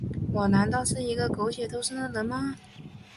我难道是一个苟且偷生的人吗？